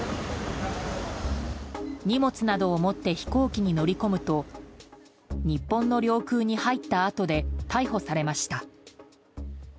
荷物などを持って飛行機に乗り込むと日本の領空に入ったあとで逮捕されました。